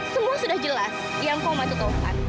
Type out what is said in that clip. semua sudah jelas yang koma itu topan